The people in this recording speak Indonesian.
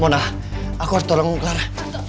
mona aku harus tolongmu clara